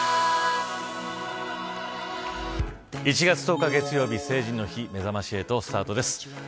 １月１０日月曜日、成人の日めざまし８、スタートです。